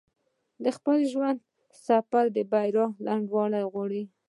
د خپل ژوند سفر په بريا لنډول غواړي.